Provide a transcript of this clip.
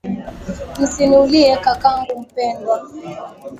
Msiniulie kakangu mpendwa.